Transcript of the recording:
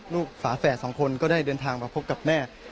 ฝาแฝดสองคนก็ได้เดินทางมาพบกับแม่